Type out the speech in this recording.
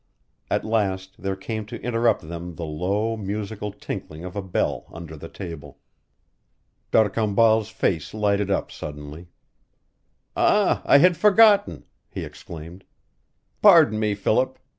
At last there came to interrupt them the low, musical tinkling of a bell under the table. D'Arcambal's face lighted up suddenly. "Ah, I had forgotten," he exclaimed. "Pardon me, Philip.